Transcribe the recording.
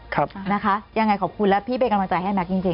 นะคะยังไงขอบคุณแล้วพี่เป็นกำลังใจให้แก๊กจริง